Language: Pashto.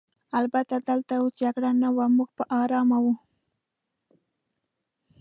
البته دلته اوس جګړه نه وه، موږ په آرامه وو.